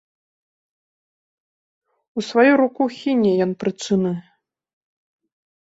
У сваю руку хіне ён прычыны.